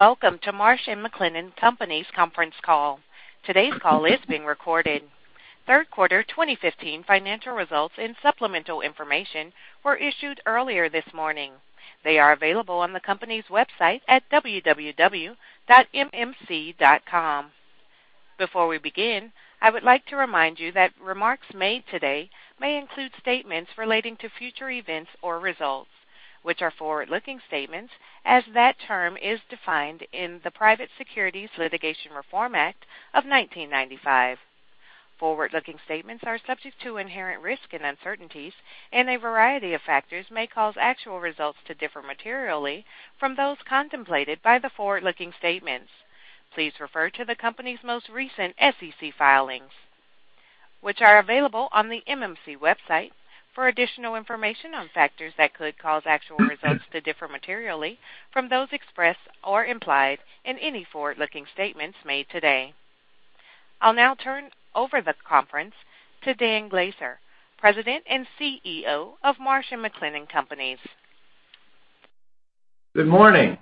Welcome to Marsh & McLennan Companies conference call. Today's call is being recorded. Third quarter 2015 financial results and supplemental information were issued earlier this morning. They are available on the company's website at www.mmc.com. Before we begin, I would like to remind you that remarks made today may include statements relating to future events or results, which are forward-looking statements, as that term is defined in the Private Securities Litigation Reform Act of 1995. Forward-looking statements are subject to inherent risk and uncertainties, and a variety of factors may cause actual results to differ materially from those contemplated by the forward-looking statements. Please refer to the company's most recent SEC filings, which are available on the mmc.com website for additional information on factors that could cause actual results to differ materially from those expressed or implied in any forward-looking statements made today. I'll now turn over the conference to Dan Glaser, President and CEO of Marsh & McLennan Companies. Good morning.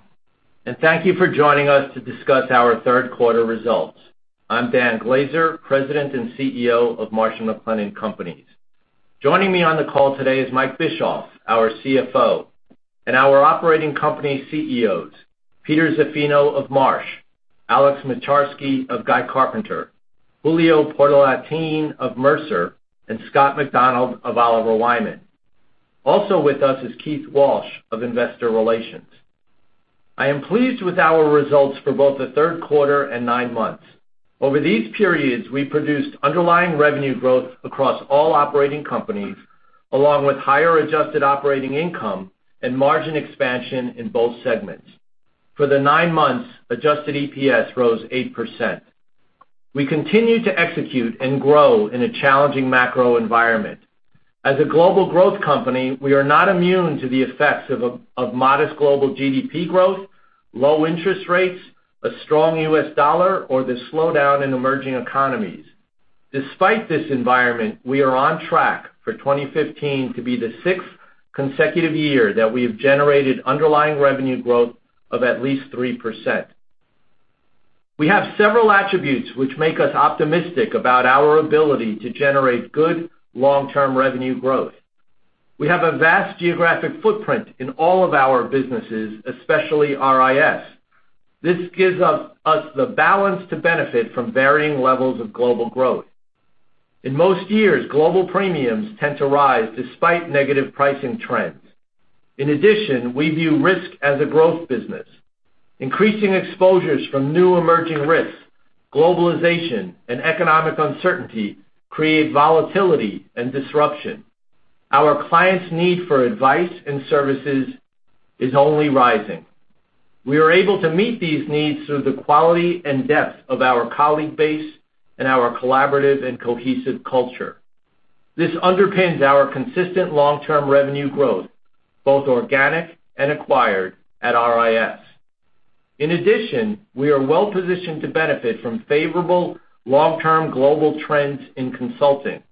Thank you for joining us to discuss our third quarter results. I'm Dan Glaser, President and CEO of Marsh & McLennan Companies. Joining me on the call today is Mike Bischoff, our CFO, and our operating company CEOs, Peter Zaffino of Marsh, Alex Moczarski of Guy Carpenter, Julio Portalatin of Mercer, and Scott McDonald of Oliver Wyman. Also with us is Keith Walsh of Investor Relations. I am pleased with our results for both the third quarter and nine months. Over these periods, we produced underlying revenue growth across all operating companies, along with higher adjusted operating income and margin expansion in both segments. For the nine months, adjusted EPS rose 8%. We continue to execute and grow in a challenging macro environment. As a global growth company, we are not immune to the effects of modest global GDP growth, low interest rates, a strong U.S. dollar, or the slowdown in emerging economies. Despite this environment, we are on track for 2015 to be the sixth consecutive year that we have generated underlying revenue growth of at least 3%. We have several attributes which make us optimistic about our ability to generate good long-term revenue growth. We have a vast geographic footprint in all of our businesses, especially RIS. This gives us the balance to benefit from varying levels of global growth. In most years, global premiums tend to rise despite negative pricing trends. In addition, we view risk as a growth business. Increasing exposures from new emerging risks, globalization, and economic uncertainty create volatility and disruption. Our clients' need for advice and services is only rising. We are able to meet these needs through the quality and depth of our colleague base and our collaborative and cohesive culture. This underpins our consistent long-term revenue growth, both organic and acquired at RIS. In addition, we are well-positioned to benefit from favorable long-term global trends in consulting.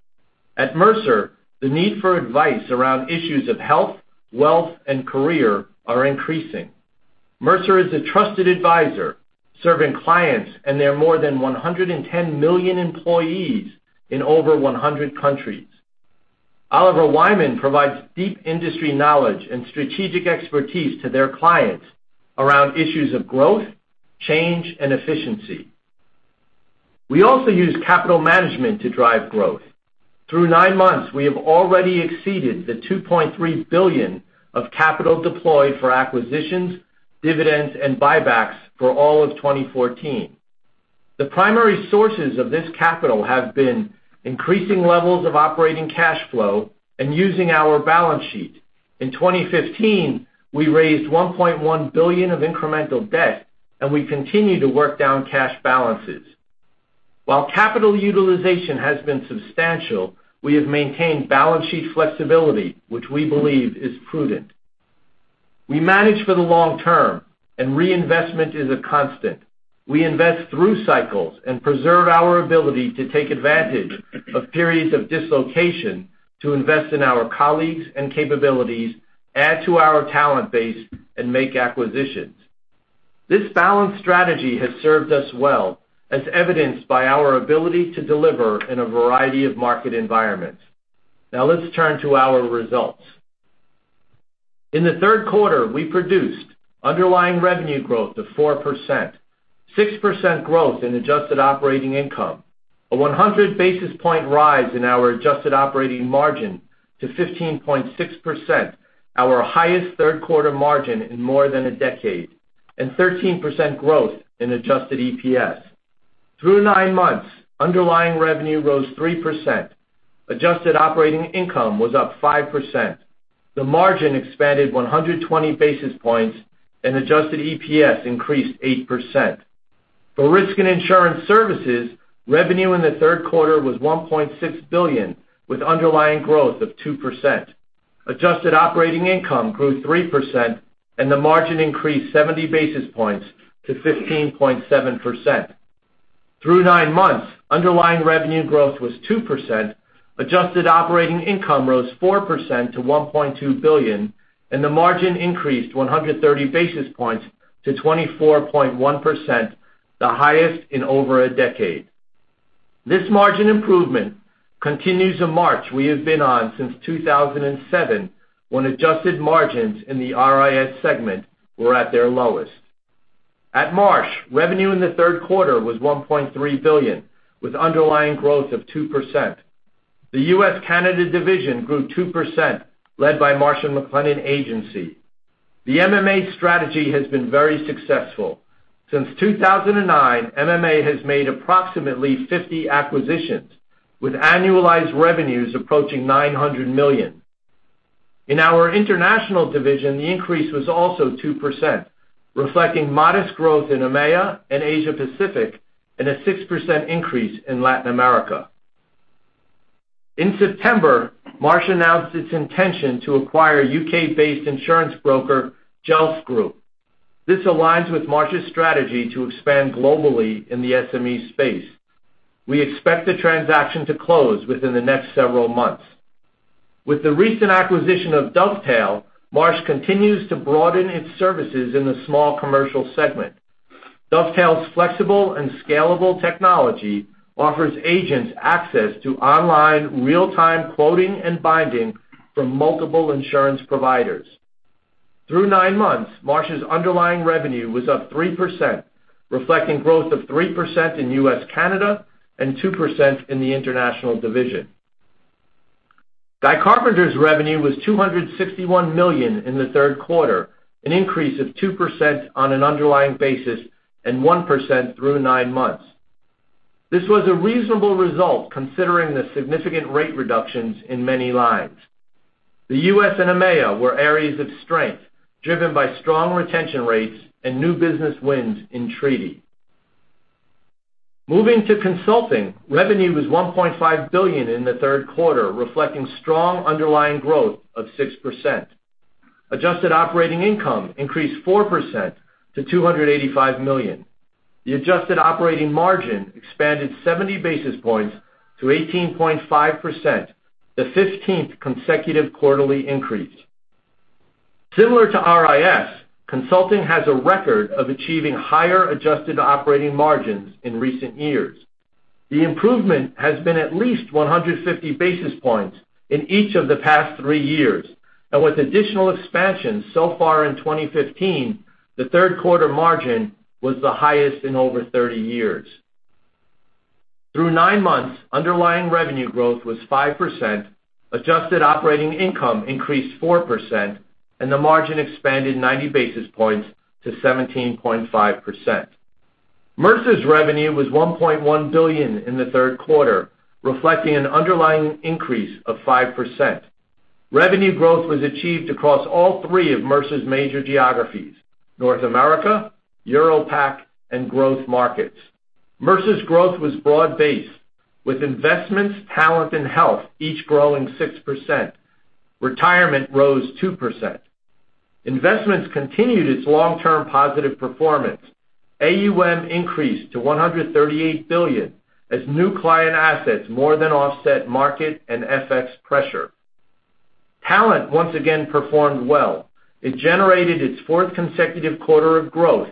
At Mercer, the need for advice around issues of health, wealth, and career are increasing. Mercer is a trusted advisor, serving clients and their more than 110 million employees in over 100 countries. Oliver Wyman provides deep industry knowledge and strategic expertise to their clients around issues of growth, change, and efficiency. We also use capital management to drive growth. Through nine months, we have already exceeded the $2.3 billion of capital deployed for acquisitions, dividends, and buybacks for all of 2014. The primary sources of this capital have been increasing levels of operating cash flow and using our balance sheet. In 2015, we raised $1.1 billion of incremental debt, and we continue to work down cash balances. While capital utilization has been substantial, we have maintained balance sheet flexibility, which we believe is prudent. We manage for the long term, and reinvestment is a constant. We invest through cycles and preserve our ability to take advantage of periods of dislocation to invest in our colleagues and capabilities, add to our talent base, and make acquisitions. This balanced strategy has served us well, as evidenced by our ability to deliver in a variety of market environments. Now let's turn to our results. In the third quarter, we produced underlying revenue growth of 4%, 6% growth in adjusted operating income, a 100-basis point rise in our adjusted operating margin to 15.6%, our highest third-quarter margin in more than a decade, and 13% growth in adjusted EPS. Through nine months, underlying revenue rose 3%, adjusted operating income was up 5%, the margin expanded 120 basis points, and adjusted EPS increased 8%. For Risk and Insurance Services, revenue in the third quarter was $1.6 billion, with underlying growth of 2%. Adjusted operating income grew 3%, and the margin increased 70 basis points to 15.7%. Through nine months, underlying revenue growth was 2%, adjusted operating income rose 4% to $1.2 billion, and the margin increased 130 basis points to 24.1%, the highest in over a decade. This margin improvement continues a march we have been on since 2007, when adjusted margins in the RIS segment were at their lowest. At Marsh, revenue in the third quarter was $1.3 billion, with underlying growth of 2%. The U.S. Canada division grew 2%, led by Marsh & McLennan Agency. The MMA strategy has been very successful. Since 2009, MMA has made approximately 50 acquisitions, with annualized revenues approaching $900 million. In our international division, the increase was also 2%, reflecting modest growth in EMEA and Asia Pacific, and a 6% increase in Latin America. In September, Marsh announced its intention to acquire U.K.-based insurance broker, Jelf Group. This aligns with Marsh's strategy to expand globally in the SME space. We expect the transaction to close within the next several months. With the recent acquisition of Dovetail, Marsh continues to broaden its services in the small commercial segment. Dovetail's flexible and scalable technology offers agents access to online real-time quoting and binding from multiple insurance providers. Through nine months, Marsh's underlying revenue was up 3%, reflecting growth of 3% in U.S. Canada and 2% in the international division. Guy Carpenter's revenue was $261 million in the third quarter, an increase of 2% on an underlying basis and 1% through nine months. This was a reasonable result considering the significant rate reductions in many lines. The U.S. and EMEA were areas of strength, driven by strong retention rates and new business wins in treaty. Moving to consulting, revenue was $1.5 billion in the third quarter, reflecting strong underlying growth of 6%. Adjusted operating income increased 4% to $285 million. The adjusted operating margin expanded 70 basis points to 18.5%, the 15th consecutive quarterly increase. Similar to RIS, consulting has a record of achieving higher adjusted operating margins in recent years. The improvement has been at least 150 basis points in each of the past three years. With additional expansion so far in 2015, the third quarter margin was the highest in over 30 years. Through nine months, underlying revenue growth was 5%, adjusted operating income increased 4%, and the margin expanded 90 basis points to 17.5%. Mercer's revenue was $1.1 billion in the third quarter, reflecting an underlying increase of 5%. Revenue growth was achieved across all three of Mercer's major geographies, North America, Europe/Pacific, and Growth Markets. Mercer's growth was broad-based, with investments, talent, and health each growing 6%. Retirement rose 2%. Investments continued its long-term positive performance. AUM increased to $138 billion as new client assets more than offset market and FX pressure. Talent, once again, performed well. It generated its fourth consecutive quarter of growth,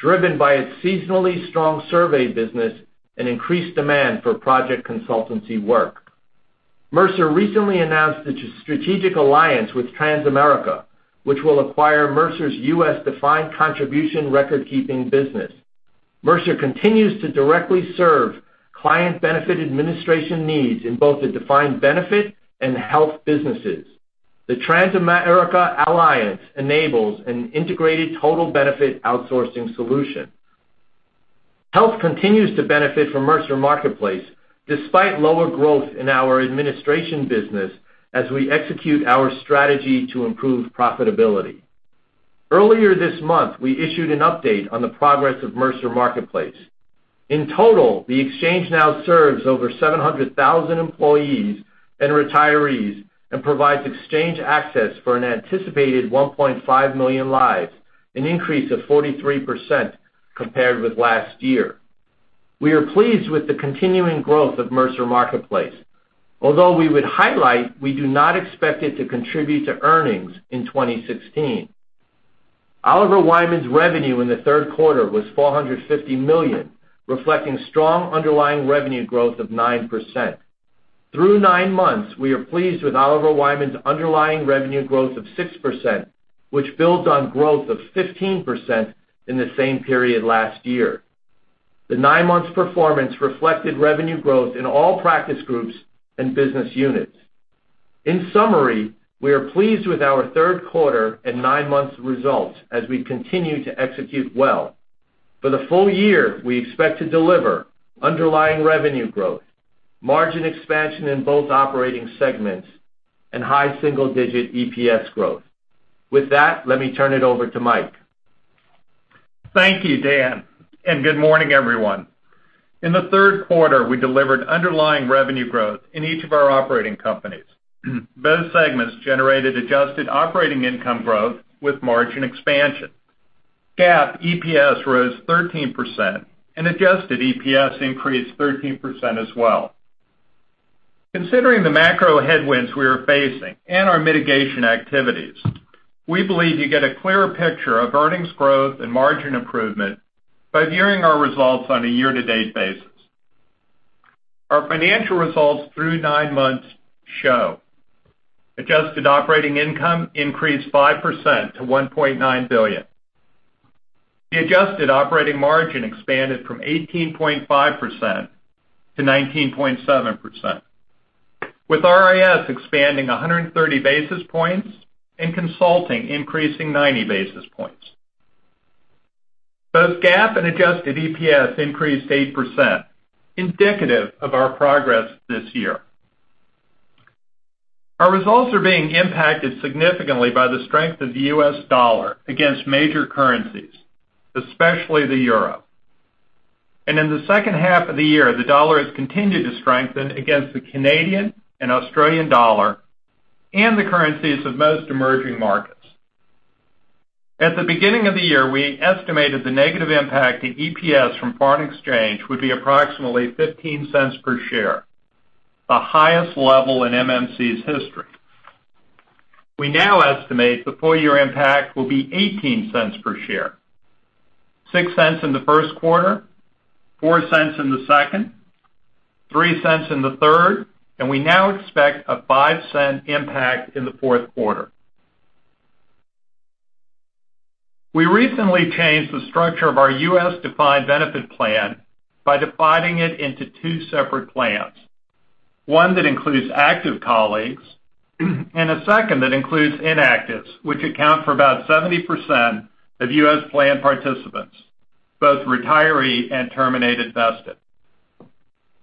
driven by its seasonally strong survey business and increased demand for project consultancy work. Mercer recently announced its strategic alliance with Transamerica, which will acquire Mercer's U.S. defined contribution record-keeping business. Mercer continues to directly serve client benefit administration needs in both the defined benefit and health businesses. The Transamerica alliance enables an integrated total benefit outsourcing solution. Health continues to benefit from Mercer Marketplace despite lower growth in our administration business as we execute our strategy to improve profitability. Earlier this month, we issued an update on the progress of Mercer Marketplace. In total, the exchange now serves over 700,000 employees and retirees and provides exchange access for an anticipated 1.5 million lives, an increase of 43% compared with last year. We are pleased with the continuing growth of Mercer Marketplace, although we would highlight we do not expect it to contribute to earnings in 2016. Oliver Wyman's revenue in the third quarter was $450 million, reflecting strong underlying revenue growth of 9%. Through nine months, we are pleased with Oliver Wyman's underlying revenue growth of 6%, which builds on growth of 15% in the same period last year. The nine months performance reflected revenue growth in all practice groups and business units. In summary, we are pleased with our third quarter and nine months results as we continue to execute well. For the full year, we expect to deliver underlying revenue growth, margin expansion in both operating segments, and high single-digit EPS growth. With that, let me turn it over to Mike. Thank you, Dan. Good morning, everyone. In the third quarter, we delivered underlying revenue growth in each of our operating companies. Both segments generated adjusted operating income growth with margin expansion. GAAP EPS rose 13%, and adjusted EPS increased 13% as well. Considering the macro headwinds we are facing and our mitigation activities, we believe you get a clearer picture of earnings growth and margin improvement by viewing our results on a year-to-date basis. Our financial results through nine months show adjusted operating income increased 5% to $1.9 billion. The adjusted operating margin expanded from 18.5% to 19.7%, with RIS expanding 130 basis points and consulting increasing 90 basis points. Both GAAP and adjusted EPS increased 8%, indicative of our progress this year. Our results are being impacted significantly by the strength of the U.S. dollar against major currencies, especially the EUR. In the second half of the year, the dollar has continued to strengthen against the Canadian and Australian dollar and the currencies of most emerging markets. At the beginning of the year, we estimated the negative impact to EPS from foreign exchange would be approximately $0.15 per share, the highest level in MMC's history. We now estimate the full year impact will be $0.18 per share, $0.06 in the first quarter, $0.04 in the second, $0.03 in the third, and we now expect a $0.05 impact in the fourth quarter. We recently changed the structure of our U.S. defined benefit plan by dividing it into two separate plans, one that includes active colleagues, and a second that includes inactives, which account for about 70% of U.S. plan participants, both retiree and terminated vested.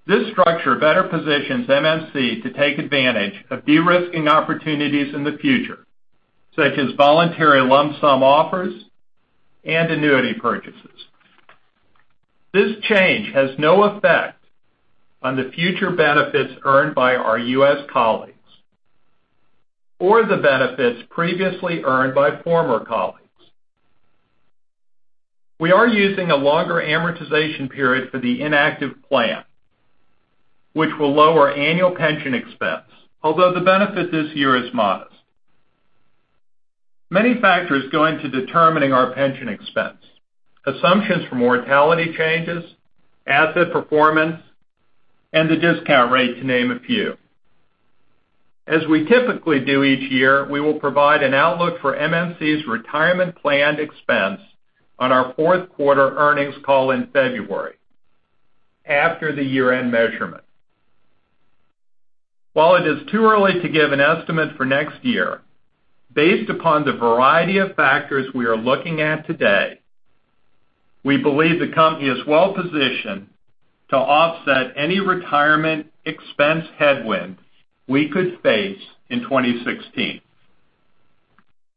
This structure better positions MMC to take advantage of de-risking opportunities in the future, such as voluntary lump sum offers and annuity purchases. This change has no effect on the future benefits earned by our U.S. colleagues or the benefits previously earned by former colleagues. We are using a longer amortization period for the inactive plan, which will lower annual pension expense, although the benefit this year is modest. Many factors go into determining our pension expense. Assumptions for mortality changes, asset performance, and the discount rate, to name a few. As we typically do each year, we will provide an outlook for MMC's retirement plan expense on our fourth quarter earnings call in February, after the year-end measurement. While it is too early to give an estimate for next year, based upon the variety of factors we are looking at today, we believe the company is well positioned to offset any retirement expense headwinds we could face in 2016.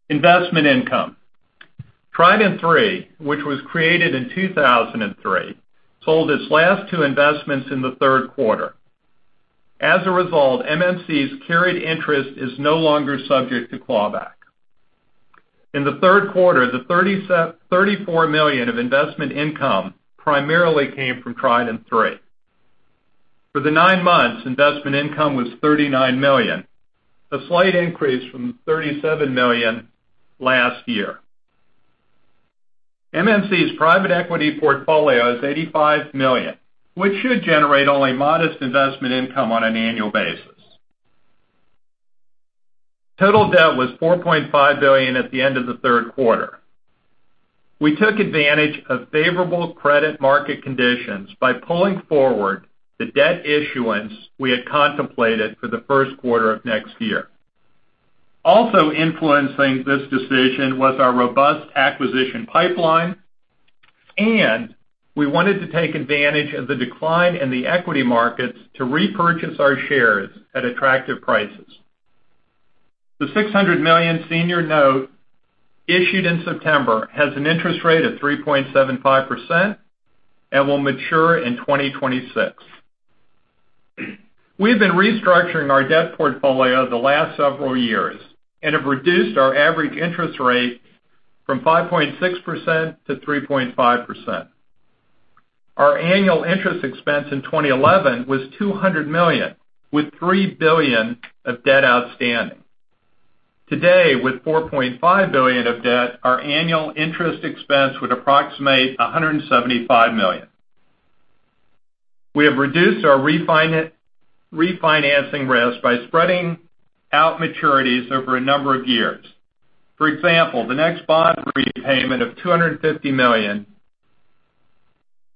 Investment income. Trident III, which was created in 2003, sold its last two investments in the third quarter. As a result, MMC's carried interest is no longer subject to clawback. In the third quarter, the $34 million of investment income primarily came from Trident III. For the nine months, investment income was $39 million, a slight increase from $37 million last year. MMC's private equity portfolio is $85 million, which should generate only modest investment income on an annual basis. Total debt was $4.5 billion at the end of the third quarter. We took advantage of favorable credit market conditions by pulling forward the debt issuance we had contemplated for the first quarter of next year. Also influencing this decision was our robust acquisition pipeline, and we wanted to take advantage of the decline in the equity markets to repurchase our shares at attractive prices. The $600 million senior note issued in September has an interest rate of 3.75% and will mature in 2026. We've been restructuring our debt portfolio the last several years and have reduced our average interest rate from 5.6% to 3.5%. Our annual interest expense in 2011 was $200 million, with $3 billion of debt outstanding. Today, with $4.5 billion of debt, our annual interest expense would approximate $175 million. We have reduced our refinancing risk by spreading out maturities over a number of years. For example, the next bond repayment of $250 million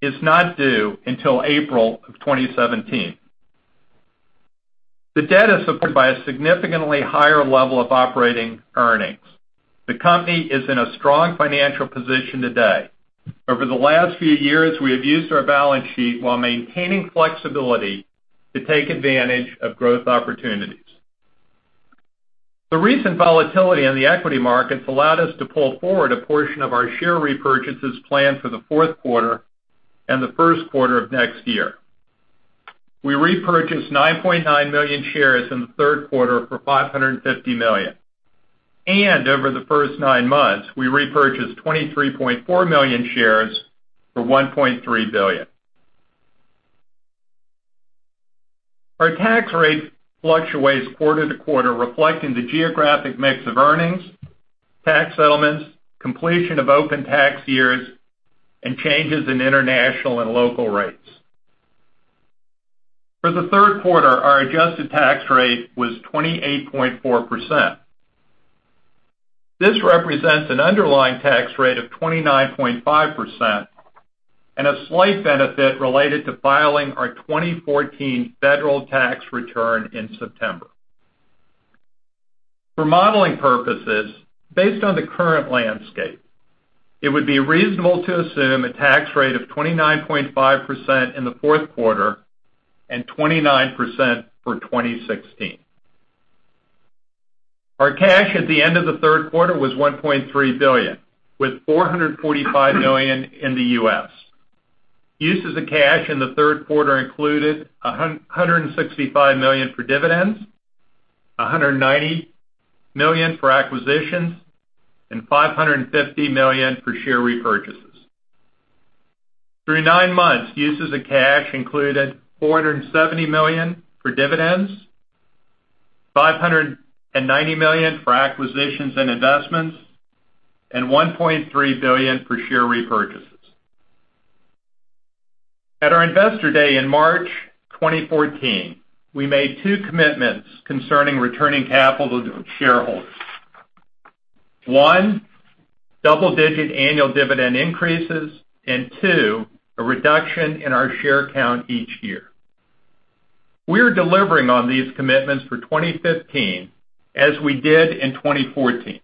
is not due until April of 2017. The debt is supported by a significantly higher level of operating earnings. The company is in a strong financial position today. Over the last few years, we have used our balance sheet while maintaining flexibility to take advantage of growth opportunities. The recent volatility in the equity markets allowed us to pull forward a portion of our share repurchases planned for the fourth quarter and the first quarter of next year. We repurchased 9.9 million shares in the third quarter for $550 million. Over the first nine months, we repurchased 23.4 million shares for $1.3 billion. Our tax rate fluctuates quarter to quarter, reflecting the geographic mix of earnings, tax settlements, completion of open tax years, and changes in international and local rates. For the third quarter, our adjusted tax rate was 28.4%. This represents an underlying tax rate of 29.5% and a slight benefit related to filing our 2014 federal tax return in September. For modeling purposes, based on the current landscape, it would be reasonable to assume a tax rate of 29.5% in the fourth quarter and 29% for 2016. Our cash at the end of the third quarter was $1.3 billion, with $445 million in the U.S. Uses of cash in the third quarter included $165 million for dividends, $190 million for acquisitions, and $550 million for share repurchases. Through nine months, uses of cash included $470 million for dividends, $590 million for acquisitions and investments, and $1.3 billion for share repurchases. At our Investor Day in March 2014, we made two commitments concerning returning capital to shareholders. One, double-digit annual dividend increases, and two, a reduction in our share count each year. We are delivering on these commitments for 2015 as we did in 2014.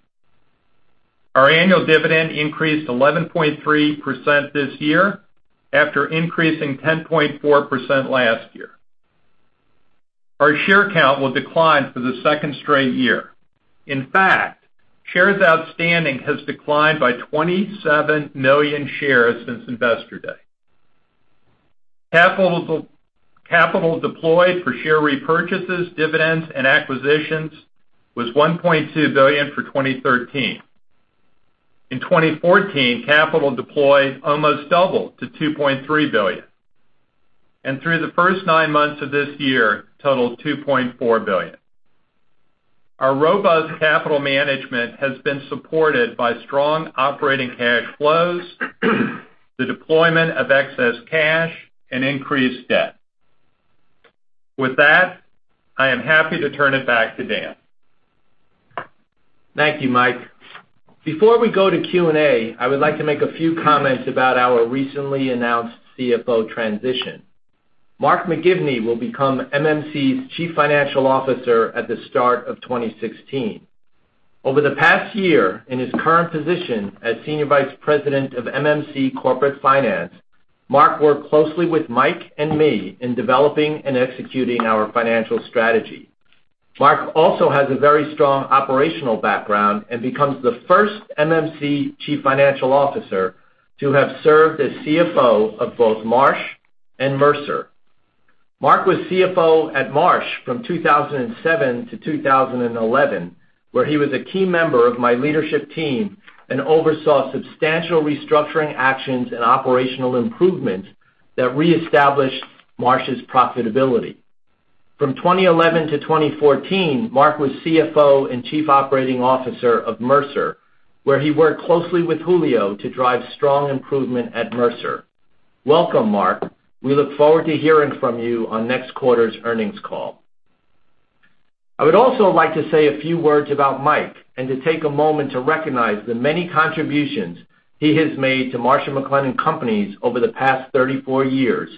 Our annual dividend increased 11.3% this year after increasing 10.4% last year. Our share count will decline for the second straight year. In fact, shares outstanding have declined by 27 million shares since Investor Day. Capital deployed for share repurchases, dividends, and acquisitions was $1.2 billion for 2013. In 2014, capital deployed almost doubled to $2.3 billion, and through the first nine months of this year totaled $2.4 billion. Our robust capital management has been supported by strong operating cash flows, the deployment of excess cash, and increased debt. With that, I am happy to turn it back to Dan. Thank you, Mike. Before we go to Q&A, I would like to make a few comments about our recently announced CFO transition. Mark McGivney will become MMC's Chief Financial Officer at the start of 2016. Over the past year in his current position as Senior Vice President of MMC Corporate Finance, Mark worked closely with Mike and me in developing and executing our financial strategy. Mark also has a very strong operational background and becomes the first MMC Chief Financial Officer to have served as CFO of both Marsh & Mercer. Mark was CFO at Marsh from 2007 to 2011, where he was a key member of my leadership team and oversaw substantial restructuring actions and operational improvements that reestablished Marsh's profitability. From 2011 to 2014, Mark was CFO and Chief Operating Officer of Mercer, where he worked closely with Julio to drive strong improvement at Mercer. Welcome, Mark. We look forward to hearing from you on next quarter's earnings call. I would also like to say a few words about Mike and to take a moment to recognize the many contributions he has made to Marsh & McLennan Companies over the past 34 years,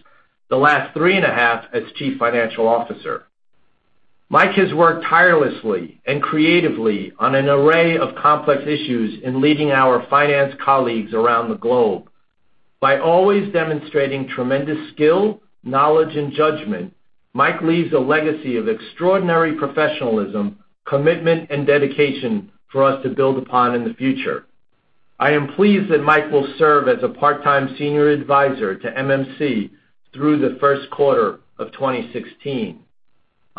the last three and a half as Chief Financial Officer. Mike has worked tirelessly and creatively on an array of complex issues in leading our finance colleagues around the globe. By always demonstrating tremendous skill, knowledge, and judgment, Mike leaves a legacy of extraordinary professionalism, commitment, and dedication for us to build upon in the future. I am pleased that Mike will serve as a part-time senior advisor to MMC through the first quarter of 2016.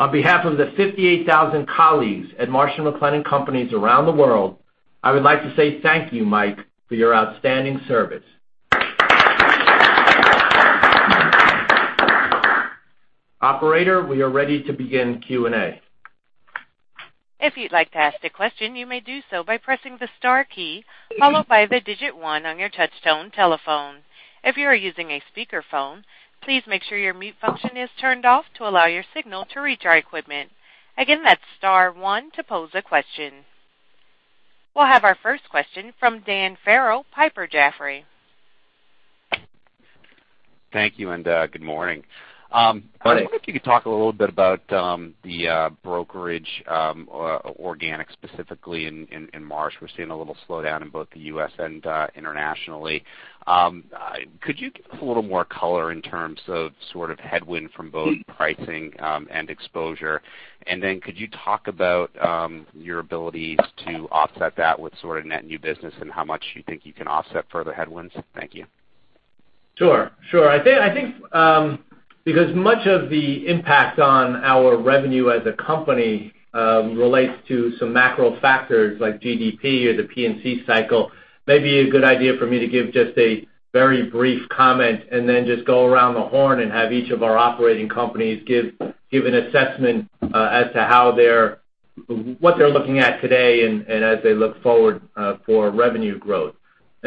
On behalf of the 58,000 colleagues at Marsh & McLennan Companies around the world, I would like to say thank you, Mike, for your outstanding service. Operator, we are ready to begin Q&A. If you'd like to ask a question, you may do so by pressing the star key followed by the digit one on your touchtone telephone. If you are using a speakerphone, please make sure your mute function is turned off to allow your signal to reach our equipment. Again, that's star one to pose a question. We'll have our first question from Daniel Farrell, Piper Jaffray. Thank you, and good morning. Hi. I wonder if you could talk a little bit about the brokerage organic, specifically in Marsh. We're seeing a little slowdown in both the U.S. and internationally. Could you give us a little more color in terms of sort of headwind from both pricing and exposure? Could you talk about your ability to offset that with sort of net new business and how much you think you can offset further headwinds? Thank you. Sure. I think because much of the impact on our revenue as a company relates to some macro factors like GDP or the P&C cycle, maybe a good idea for me to give just a very brief comment and then just go around the horn and have each of our operating companies give an assessment as to what they're looking at today and as they look forward for revenue growth.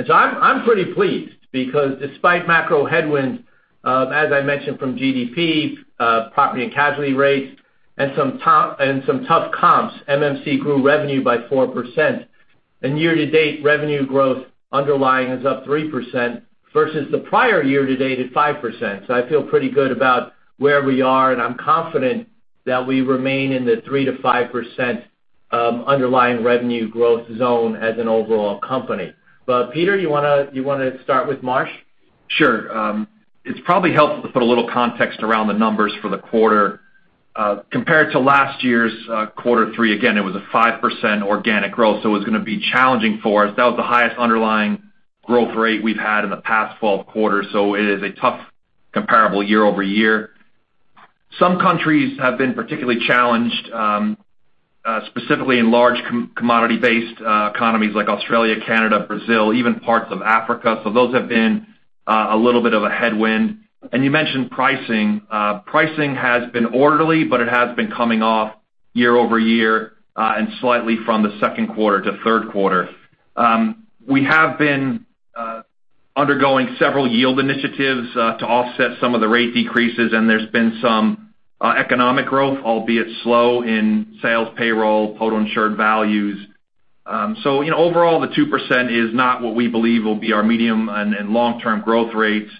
I'm pretty pleased because despite macro headwinds, as I mentioned, from GDP, property and casualty rates, and some tough comps, MMC grew revenue by 4%. Year-to-date revenue growth underlying is up 3% versus the prior year-to-date at 5%. I feel pretty good about where we are, and I'm confident that we remain in the 3%-5% underlying revenue growth zone as an overall company. Peter, you want to start with Marsh? Sure. It's probably helpful to put a little context around the numbers for the quarter. Compared to last year's Quarter 3, again, it was a 5% organic growth, so it was going to be challenging for us. That was the highest underlying growth rate we've had in the past 12 quarters, so it is a tough comparable year-over-year. Some countries have been particularly challenged, specifically in large commodity-based economies like Australia, Canada, Brazil, even parts of Africa. Those have been a little bit of a headwind. You mentioned pricing. Pricing has been orderly, but it has been coming off year-over-year and slightly from the second quarter to third quarter. We have been undergoing several yield initiatives to offset some of the rate decreases, and there's been some economic growth, albeit slow in sales, payroll, total insured values. Overall, the 2% is not what we believe will be our medium and long-term growth rates.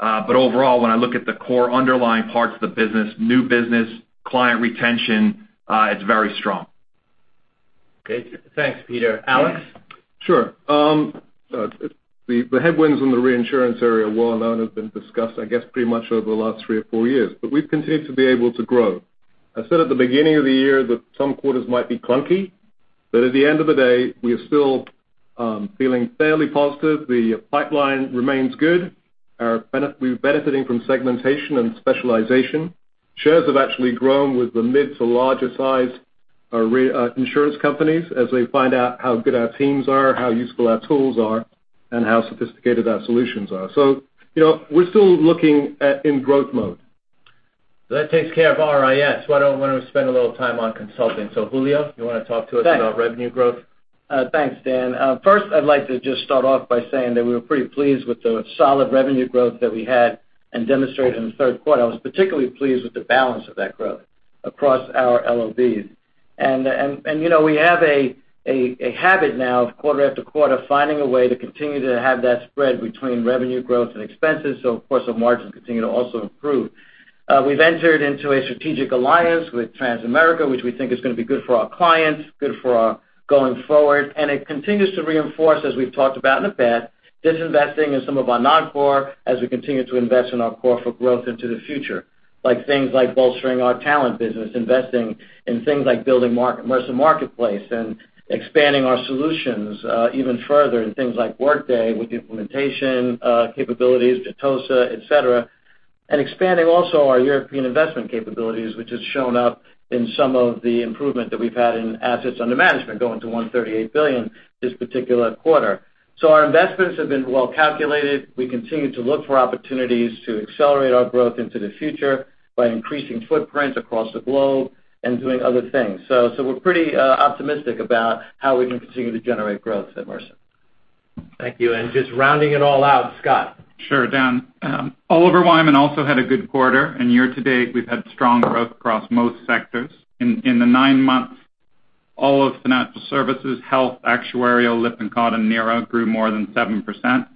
Overall, when I look at the core underlying parts of the business, new business, client retention, it's very strong. Okay. Thanks, Peter. Alex? Sure. The headwinds in the reinsurance area are well known, have been discussed, I guess, pretty much over the last three or four years. We've continued to be able to grow. I said at the beginning of the year that some quarters might be clunky, but at the end of the day, we are still feeling fairly positive. The pipeline remains good. We're benefiting from segmentation and specialization. Shares have actually grown with the mid to larger size insurance companies as they find out how good our teams are, how useful our tools are, and how sophisticated our solutions are. We're still looking in growth mode. That takes care of RIS. Why don't we spend a little time on consulting? Julio, you want to talk to us about revenue growth? Thanks, Dan. First, I'd like to just start off by saying that we were pretty pleased with the solid revenue growth that we had and demonstrated in the third quarter. I was particularly pleased with the balance of that growth across our LOBs. We have a habit now of quarter after quarter, finding a way to continue to have that spread between revenue growth and expenses. Of course, the margins continue to also improve. We've entered into a strategic alliance with Transamerica, which we think is going to be good for our clients, good for us going forward, and it continues to reinforce, as we've talked about in the past, disinvesting in some of our non-core as we continue to invest in our core for growth into the future. Like things like bolstering our talent business, investing in things like building Mercer Marketplace and expanding our solutions even further in things like Workday with implementation capabilities to Jeitosa, et cetera. Expanding also our European investment capabilities, which has shown up in some of the improvement that we've had in assets under management going to $138 billion this particular quarter. Our investments have been well-calculated. We continue to look for opportunities to accelerate our growth into the future by increasing footprint across the globe and doing other things. We're pretty optimistic about how we can continue to generate growth at Mercer. Thank you. Just rounding it all out, Scott. Sure, Dan. Oliver Wyman also had a good quarter. Year to date, we've had strong growth across most sectors. In the nine months, all of financial services, health, actuarial, Lippincott and NERA grew more than 7%.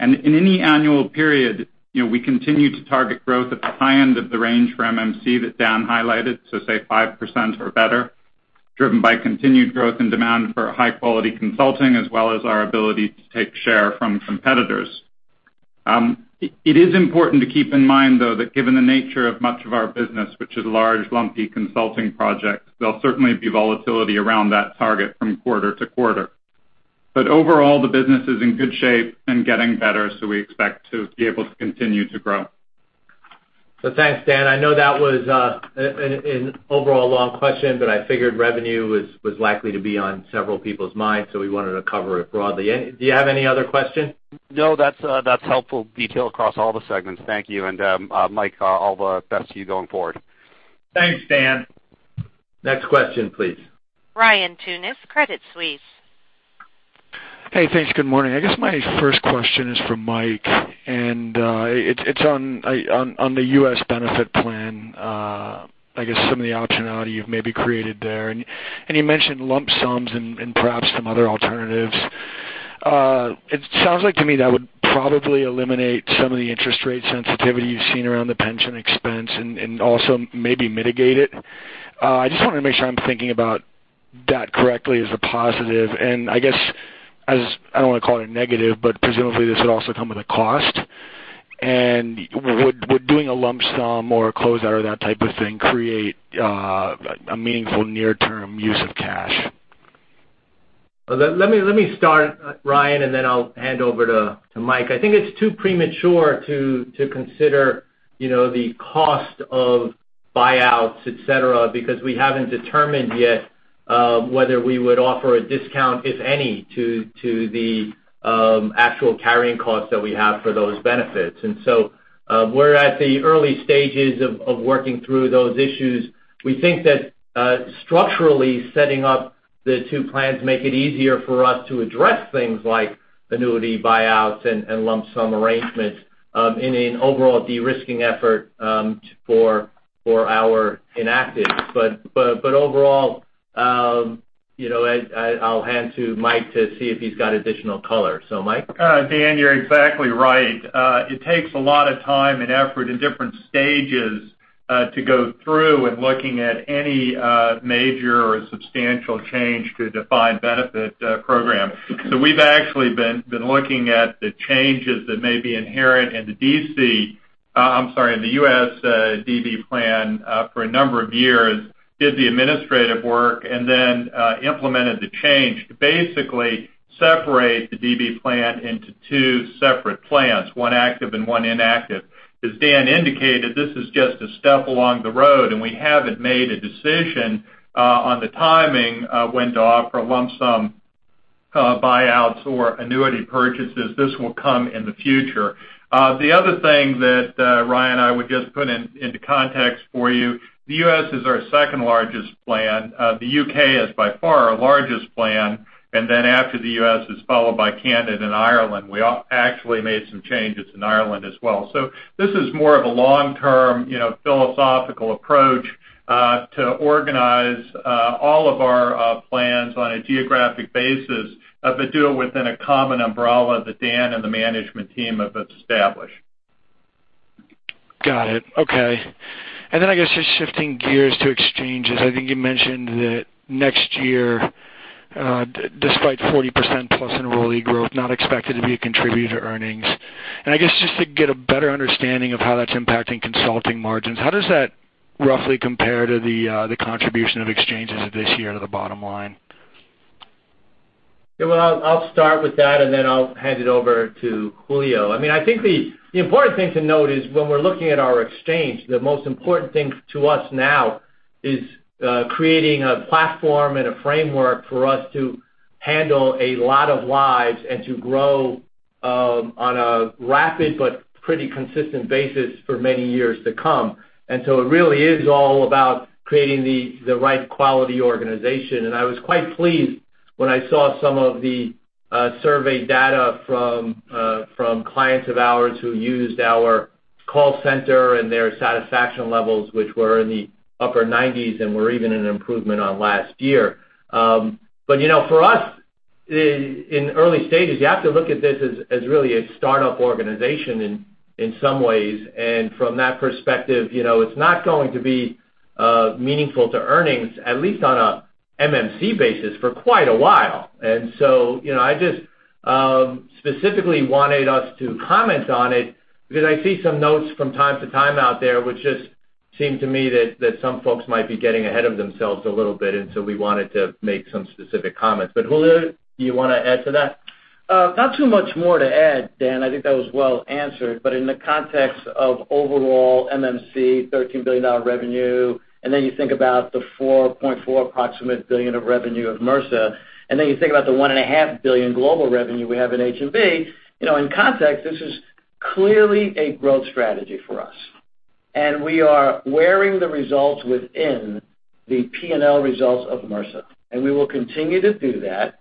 In any annual period, we continue to target growth at the high end of the range for MMC that Dan highlighted, say 5% or better, driven by continued growth and demand for high-quality consulting, as well as our ability to take share from competitors. It is important to keep in mind, though, that given the nature of much of our business, which is large, lumpy consulting projects, there'll certainly be volatility around that target from quarter to quarter. Overall, the business is in good shape and getting better, we expect to be able to continue to grow. Thanks, Dan. I know that was an overall long question, but I figured revenue was likely to be on several people's minds, so we wanted to cover it broadly. Do you have any other questions? No, that's helpful detail across all the segments. Thank you. Mike, all the best to you going forward. Thanks, Dan. Next question, please. Ryan Tunis, Credit Suisse. Hey, thanks. Good morning. I guess my first question is for Mike, and it's on the U.S. benefit plan. I guess some of the optionality you've maybe created there. You mentioned lump sums and perhaps some other alternatives. It sounds like to me that would probably eliminate some of the interest rate sensitivity you've seen around the pension expense and also maybe mitigate it. I just want to make sure I'm thinking about that correctly as a positive, and I guess, I don't want to call it a negative, but presumably this would also come with a cost. Would doing a lump sum or a closeout or that type of thing create a meaningful near-term use of cash? Let me start, Ryan, then I'll hand over to Mike. I think it's too premature to consider the cost of buyouts, et cetera, because we haven't determined yet whether we would offer a discount, if any, to the actual carrying costs that we have for those benefits. We're at the early stages of working through those issues. We think that structurally setting up the two plans make it easier for us to address things like annuity buyouts and lump sum arrangements, in an overall de-risking effort for our inactives. Overall, I'll hand to Mike to see if he's got additional color. Mike? Dan, you're exactly right. It takes a lot of time and effort in different stages to go through when looking at any major or substantial change to a defined benefit program. We've actually been looking at the changes that may be inherent in the U.S. DB plan for a number of years, did the administrative work, then implemented the change to basically separate the DB plan into two separate plans, one active and one inactive. As Dan indicated, this is just a step along the road, and we haven't made a decision on the timing when to offer lump sum buyouts or annuity purchases. This will come in the future. The other thing that, Ryan, I would just put into context for you, the U.S. is our second-largest plan. The U.K. is by far our largest plan, then after the U.S., is followed by Canada and Ireland. We actually made some changes in Ireland as well. This is more of a long-term philosophical approach to organize all of our plans on a geographic basis, but do it within a common umbrella that Dan and the management team have established. Got it. Okay. Then I guess just shifting gears to exchanges. I think you mentioned that next year, despite 40%+ enrollee growth, not expected to be a contributor to earnings. I guess just to get a better understanding of how that's impacting consulting margins, how does that roughly compare to the contribution of exchanges this year to the bottom line? Well, I'll start with that, then I'll hand it over to Julio. I think the important thing to note is when we're looking at our exchange, the most important thing to us now is creating a platform and a framework for us to handle a lot of lives and to grow on a rapid but pretty consistent basis for many years to come. It really is all about creating the right quality organization. I was quite pleased when I saw some of the survey data from clients of ours who used our call center and their satisfaction levels, which were in the upper 90s and were even an improvement on last year. For us, in early stages, you have to look at this as really a startup organization in some ways. From that perspective, it's not going to be meaningful to earnings, at least on a MMC basis, for quite a while. I just specifically wanted us to comment on it because I see some notes from time to time out there, which just seem to me that some folks might be getting ahead of themselves a little bit, so we wanted to make some specific comments. Julio, do you want to add to that? In the context of overall MMC, $13 billion revenue, and then you think about the $4.4 approximate billion of revenue of Mercer, and then you think about the $1.5 billion global revenue we have in H&B, in context, this is clearly a growth strategy for us. We are wearing the results within the P&L results of Mercer, and we will continue to do that.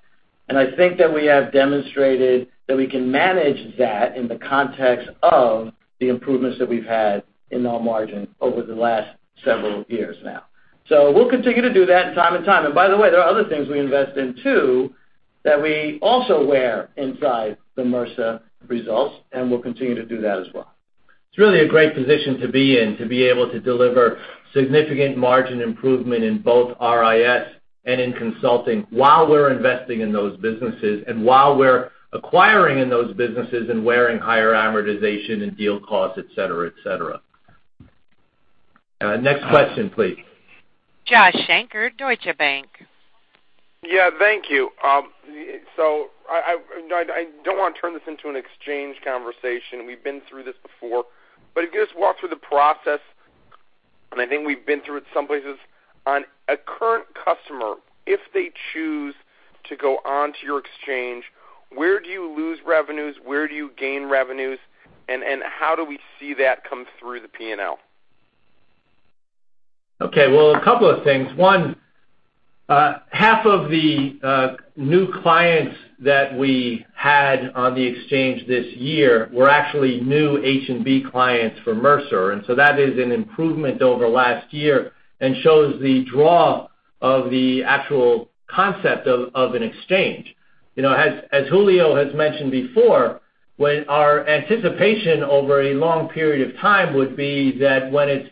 I think that we have demonstrated that we can manage that in the context of the improvements that we've had in our margin over the last several years now. We'll continue to do that time and time. By the way, there are other things we invest in too that we also wear inside the Mercer results, and we'll continue to do that as well. It's really a great position to be in, to be able to deliver significant margin improvement in both RIS and in consulting while we're investing in those businesses and while we're acquiring in those businesses and wearing higher amortization and deal costs, et cetera. Next question, please. Joshua Shanker, Deutsche Bank. Yeah, thank you. I don't want to turn this into an exchange conversation. We've been through this before. Can you just walk through the process, and I think we've been through it some places, on a current customer, if they choose to go onto your exchange, where do you lose revenues? Where do you gain revenues? How do we see that come through the P&L? Well, a couple of things. One, half of the new clients that we had on the exchange this year were actually new H&B clients for Mercer. That is an improvement over last year and shows the draw of the actual concept of an exchange. As Julio has mentioned before, when our anticipation over a long period of time would be that when it's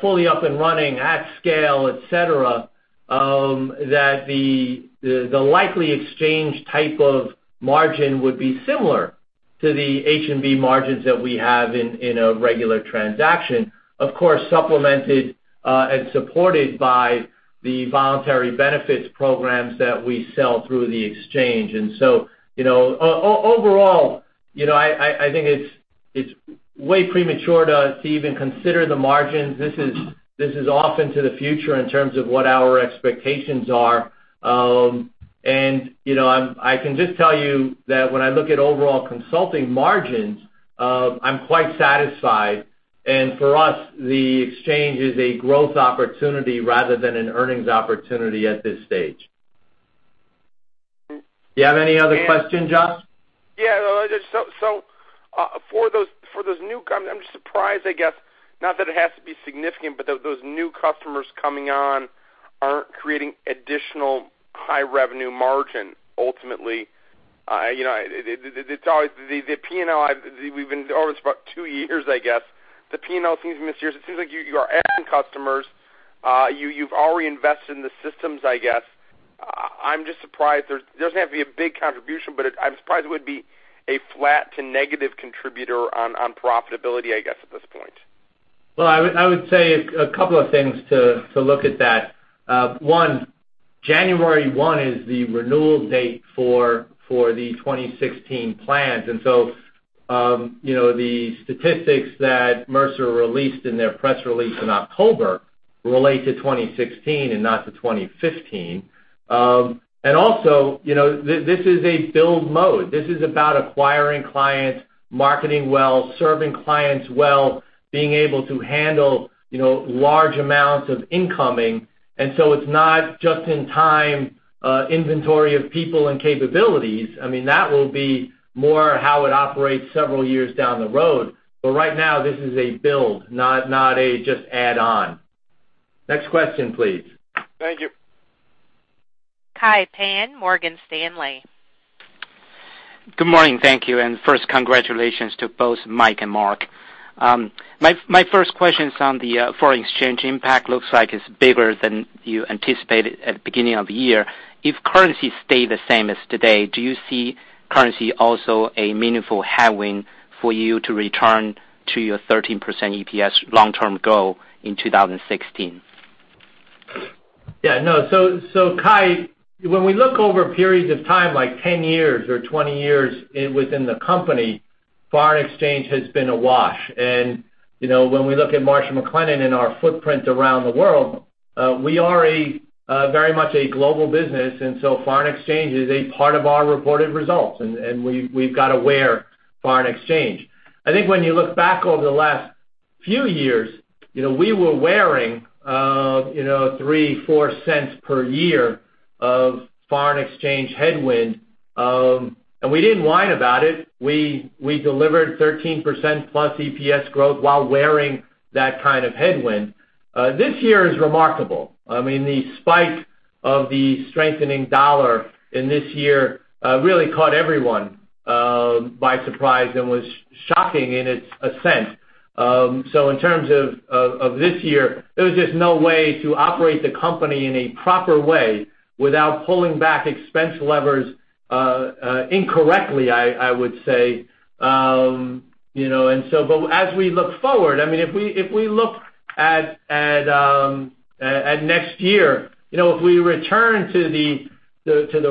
fully up and running at scale, et cetera, that the likely exchange type of margin would be similar to the H&B margins that we have in a regular transaction, of course, supplemented and supported by the voluntary benefits programs that we sell through the exchange. Overall, I think it's way premature to even consider the margins. This is off into the future in terms of what our expectations are. I can just tell you that when I look at overall consulting margins, I'm quite satisfied. For us, the exchange is a growth opportunity rather than an earnings opportunity at this stage. Do you have any other questions, Josh? For those new I'm just surprised, I guess, not that it has to be significant, but those new customers coming on aren't creating additional high revenue margin ultimately. The P&L, we've been over this for about two years, I guess. The P&L seems mysterious. It seems like you are adding customers. You've already invested in the systems, I guess. I'm just surprised. It doesn't have to be a big contribution, but I'm surprised it would be a flat to negative contributor on profitability, I guess, at this point. Well, I would say a couple of things to look at that. One, January 1 is the renewal date for the 2016 plans. The statistics that Mercer released in their press release in October relate to 2016 and not to 2015. Also, this is a build mode. This is about acquiring clients, marketing well, serving clients well, being able to handle large amounts of incoming. It's not just in time inventory of people and capabilities. That will be more how it operates several years down the road. Right now, this is a build, not a just add on. Next question, please. Thank you. Kai Pan, Morgan Stanley. Good morning. Thank you. First, congratulations to both Mike and Mark. My first question is on the foreign exchange impact. Looks like it's bigger than you anticipated at the beginning of the year. If currency stay the same as today, do you see currency also a meaningful headwind for you to return to your 13% EPS long-term goal in 2016? Yeah, no. Kai, when we look over periods of time, like 10 years or 20 years within the company, foreign exchange has been a wash. When we look at Marsh & McLennan and our footprint around the world, we are very much a global business, foreign exchange is a part of our reported results, and we've got to wear foreign exchange. I think when you look back over the last few years, we were wearing $0.03, $0.04 per year of foreign exchange headwind. We didn't whine about it. We delivered 13% plus EPS growth while wearing that kind of headwind. This year is remarkable. The spike of the strengthening dollar in this year really caught everyone by surprise and was shocking in its ascent. In terms of this year, there was just no way to operate the company in a proper way without pulling back expense levers incorrectly, I would say. As we look forward, if we look at next year, if we return to the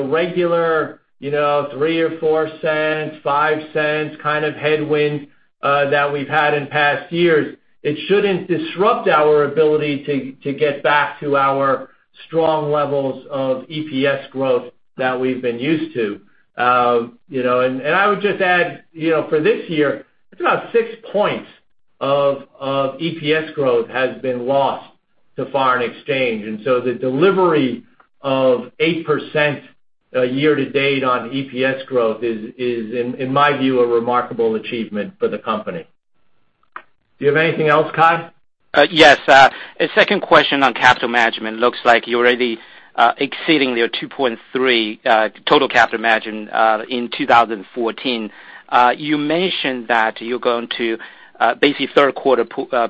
regular $0.03 or $0.04, $0.05 kind of headwind that we've had in past years, it shouldn't disrupt our ability to get back to our strong levels of EPS growth that we've been used to. I would just add, for this year, it's about six points of EPS growth has been lost to foreign exchange. The delivery of 8% year-to-date on EPS growth is, in my view, a remarkable achievement for the company. Do you have anything else, Kai? Yes. A second question on capital management. Looks like you're already exceeding your $2.3 billion total capital management in 2014. You mentioned that you're going to basically third quarter,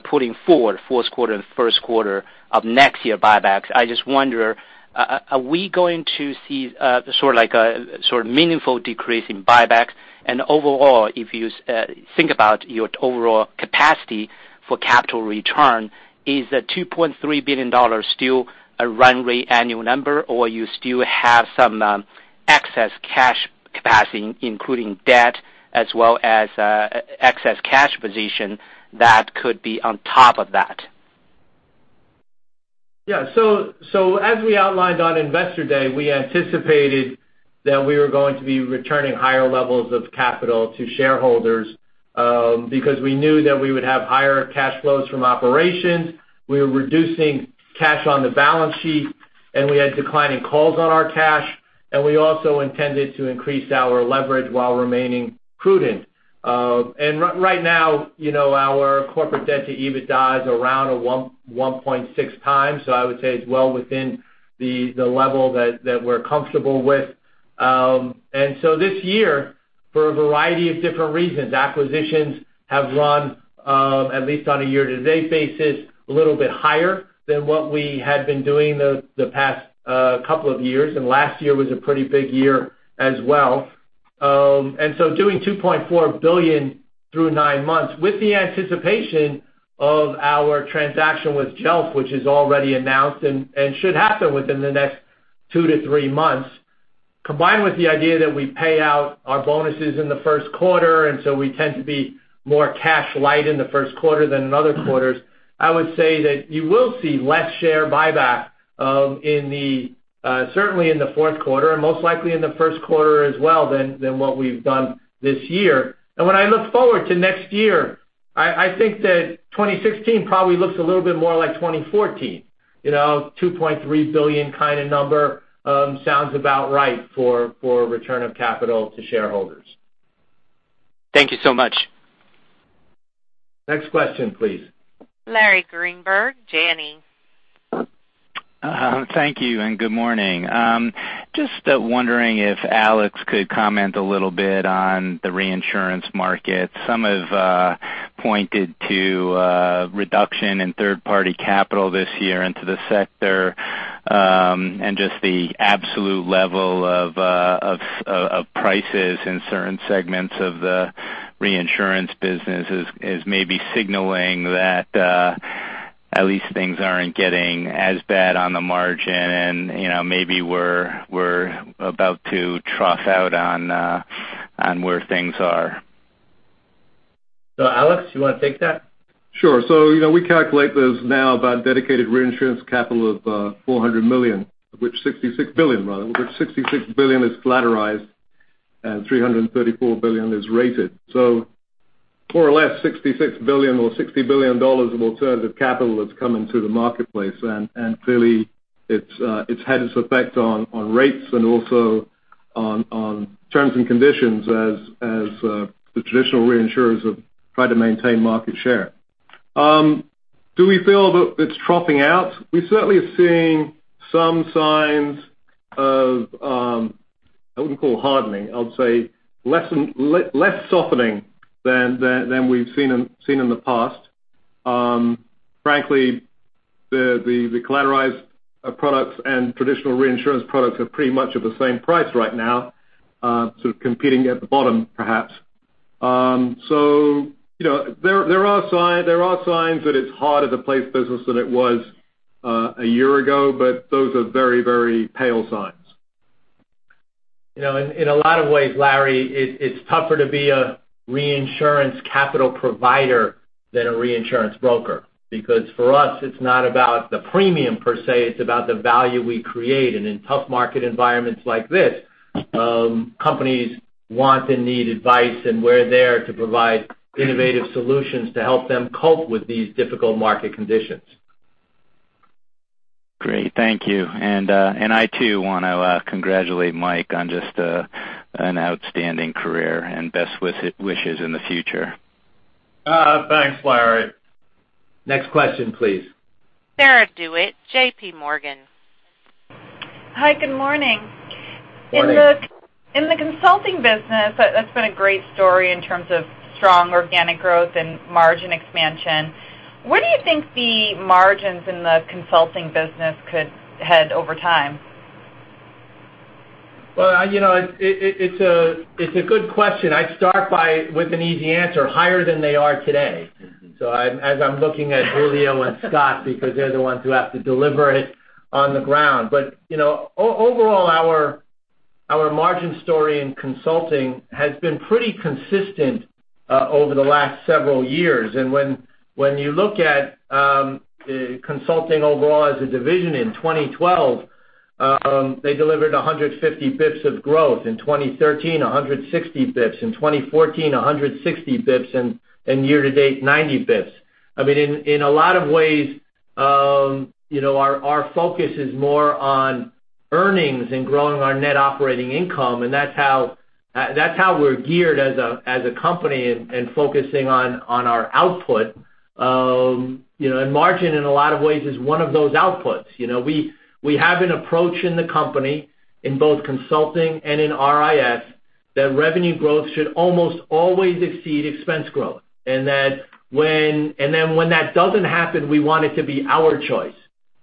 pulling forward first quarter and first quarter of next year buybacks. I just wonder, are we going to see sort of meaningful decrease in buybacks? Overall, if you think about your overall capacity for capital return, is the $2.3 billion still a run rate annual number, or you still have some excess cash capacity, including debt as well as excess cash position that could be on top of that? As we outlined on Investor Day, we anticipated that we were going to be returning higher levels of capital to shareholders because we knew that we would have higher cash flows from operations, we were reducing cash on the balance sheet, and we had declining calls on our cash, and we also intended to increase our leverage while remaining prudent. Right now, our corporate debt to EBITDA is around a 1.6x. I would say it's well within the level that we're comfortable with. This year, for a variety of different reasons, acquisitions have run, at least on a year-to-date basis, a little bit higher than what we had been doing the past couple of years, and last year was a pretty big year as well. Doing $2.4 billion through nine months with the anticipation of our transaction with Jelf, which is already announced and should happen within the next two to three months. Combined with the idea that we pay out our bonuses in the first quarter, we tend to be more cash light in the first quarter than in other quarters. I would say that you will see less share buyback, certainly in the fourth quarter and most likely in the first quarter as well than what we've done this year. When I look forward to next year, I think that 2016 probably looks a little bit more like 2014. $2.3 billion kind of number sounds about right for return of capital to shareholders. Thank you so much. Next question, please. Larry Greenberg, Janney. Thank you, and good morning. Just wondering if Alex could comment a little bit on the reinsurance market. Some have pointed to a reduction in third-party capital this year into the sector, and just the absolute level of prices in certain segments of the reinsurance business is maybe signaling that at least things aren't getting as bad on the margin. Maybe we're about to trough out on where things are. Alex, you want to take that? Sure. We calculate there's now about dedicated reinsurance capital of $400 billion, of which $66 billion is collateralized and $334 billion is rated. More or less $66 billion or $60 billion of alternative capital that's come into the marketplace. Clearly it's had its effect on rates and also on terms and conditions as the traditional reinsurers have tried to maintain market share. Do we feel that it's troughing out? We certainly are seeing some signs of, I wouldn't call hardening, I would say less softening than we've seen in the past. Frankly, the collateralized products and traditional reinsurance products are pretty much at the same price right now, sort of competing at the bottom, perhaps. There are signs that it's harder to place business than it was a year ago, but those are very, very pale signs. In a lot of ways, Larry, it's tougher to be a reinsurance capital provider than a reinsurance broker. For us, it's not about the premium per se, it's about the value we create. In tough market environments like this, companies want and need advice, and we're there to provide innovative solutions to help them cope with these difficult market conditions. Great, thank you. I too want to congratulate Mike on just an outstanding career, and best wishes in the future. Thanks, Larry. Next question please. Sarah DeWitt, JP Morgan. Hi, good morning. Morning. In the consulting business, that's been a great story in terms of strong organic growth and margin expansion. Where do you think the margins in the consulting business could head over time? It's a good question. I'd start with an easy answer, higher than they are today. As I'm looking at Julio and Scott because they're the ones who have to deliver it on the ground. Overall, our margin story in Consulting has been pretty consistent over the last several years. When you look at Consulting overall as a division in 2012, they delivered 150 basis points of growth. In 2013, 160 basis points. In 2014, 160 basis points. Year to date, 90 basis points. In a lot of ways, our focus is more on earnings and growing our Net Operating Income, that's how we're geared as a company and focusing on our output. Margin, in a lot of ways, is one of those outputs. We have an approach in the company, in both Consulting and in RIS, that revenue growth should almost always exceed expense growth. When that doesn't happen, we want it to be our choice.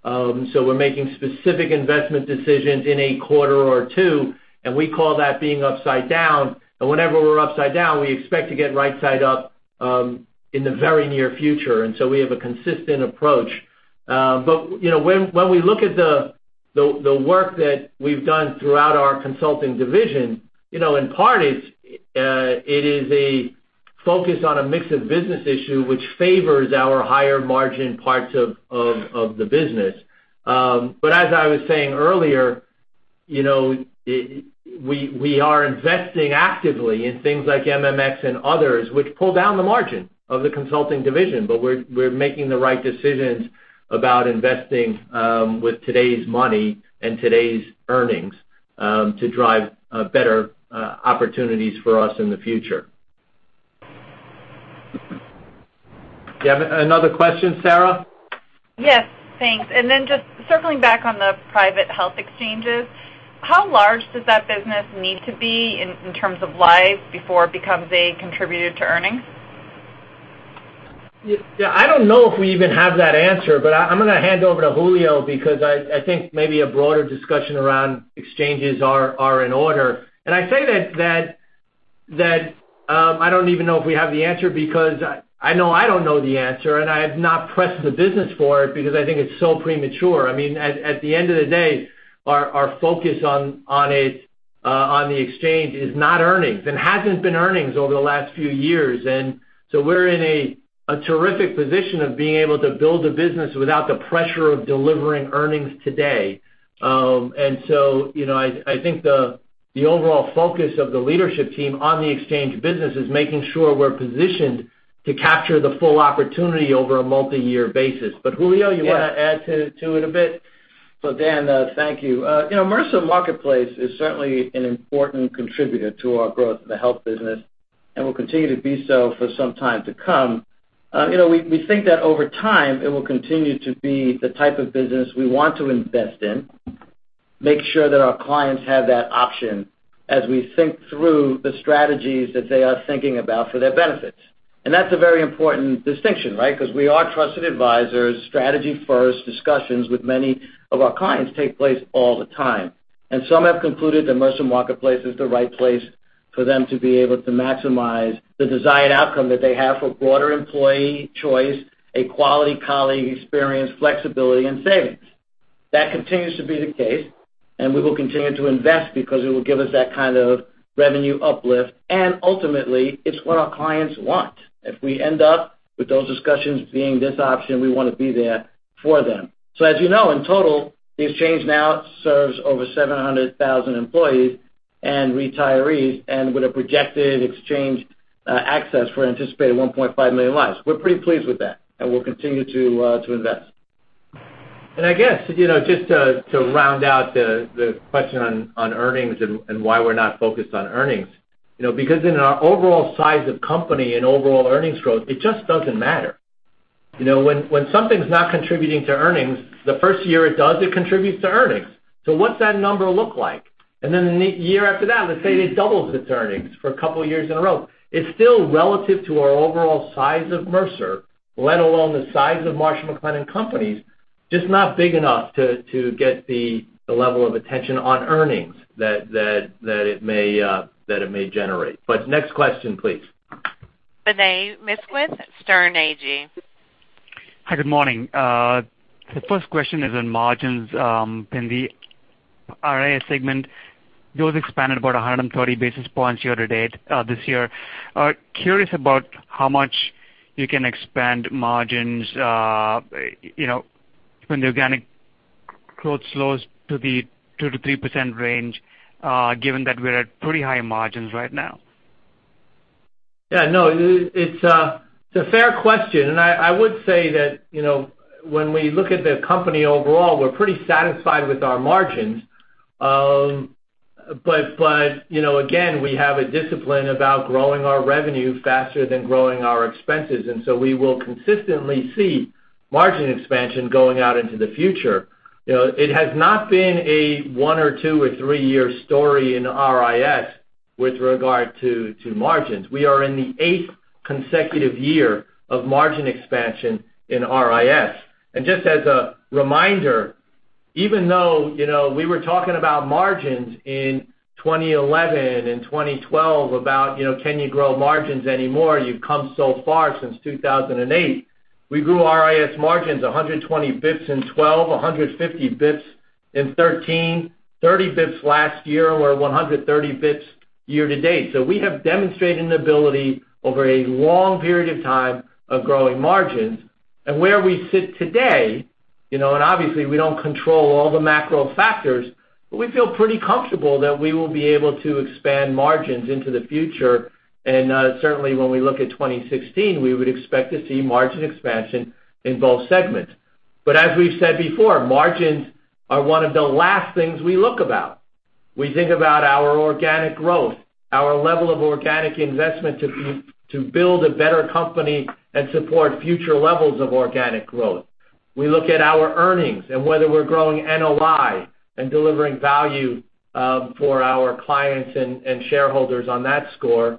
We're making specific investment decisions in a quarter or two, and we call that being upside down. Whenever we're upside down, we expect to get right side up in the very near future. We have a consistent approach. When we look at the work that we've done throughout our Consulting division, in part it is a focus on a mix of business issue, which favors our higher margin parts of the business. As I was saying earlier, we are investing actively in things like MMA and others, which pull down the margin of the Consulting division. We're making the right decisions about investing with today's money and today's earnings to drive better opportunities for us in the future. Do you have another question, Sarah? Yes, thanks. Just circling back on the private health exchanges, how large does that business need to be in terms of lives before it becomes a contributor to earnings? Yeah. I don't know if we even have that answer, I'm going to hand over to Julio because I think maybe a broader discussion around exchanges are in order. I say that I don't even know if we have the answer, because I know I don't know the answer, and I have not pressed the business for it because I think it's so premature. At the end of the day, our focus on the exchange is not earnings, and hasn't been earnings over the last few years. We're in a terrific position of being able to build a business without the pressure of delivering earnings today. I think the overall focus of the leadership team on the exchange business is making sure we're positioned to capture the full opportunity over a multi-year basis. Julio, you want to add to it a bit? Dan, thank you. Mercer Marketplace is certainly an important contributor to our growth in the health business, and will continue to be so for some time to come. We think that over time, it will continue to be the type of business we want to invest in, make sure that our clients have that option as we think through the strategies that they are thinking about for their benefits. That's a very important distinction, right? Because we are trusted advisors, strategy first, discussions with many of our clients take place all the time. Some have concluded that Mercer Marketplace is the right place for them to be able to maximize the desired outcome that they have for broader employee choice, a quality colleague experience, flexibility, and savings. That continues to be the case, we will continue to invest because it will give us that kind of revenue uplift, ultimately, it's what our clients want. If we end up with those discussions being this option, we want to be there for them. As you know, in total, the exchange now serves over 700,000 employees and retirees, with a projected exchange access for anticipated 1.5 million lives. We're pretty pleased with that, we'll continue to invest. I guess, just to round out the question on earnings and why we're not focused on earnings, because in our overall size of company and overall earnings growth, it just doesn't matter. When something's not contributing to earnings, the first year it does, it contributes to earnings. What's that number look like? Then the year after that, let's say it doubles its earnings for a couple of years in a row. It's still relative to our overall size of Mercer, let alone the size of Marsh & McLennan Companies, just not big enough to get the level of attention on earnings that it may generate. Next question, please. Vinay Misquith, Sterne Agee. Hi, good morning. The first question is on margins in the RIS segment. Those expanded about 130 basis points year to date this year. Curious about how much you can expand margins, when the organic growth slows to the 2%-3% range, given that we're at pretty high margins right now. It's a fair question, I would say that, when we look at the company overall, we're pretty satisfied with our margins. We have a discipline about growing our revenue faster than growing our expenses. We will consistently see margin expansion going out into the future. It has not been a one or two or three-year story in RIS with regard to margins. We are in the eighth consecutive year of margin expansion in RIS. Just as a reminder, even though we were talking about margins in 2011 and 2012 about, can you grow margins anymore? You've come so far since 2008. We grew RIS margins 120 basis points in 2012, 150 basis points in 2013, 30 basis points last year, or 130 basis points year to date. We have demonstrated an ability over a long period of time of growing margins. Where we sit today, obviously, we don't control all the macro factors, but we feel pretty comfortable that we will be able to expand margins into the future. Certainly when we look at 2016, we would expect to see margin expansion in both segments. As we've said before, margins are one of the last things we look about. We think about our organic growth, our level of organic investment to build a better company and support future levels of organic growth. We look at our earnings and whether we're growing NOI and delivering value for our clients and shareholders on that score.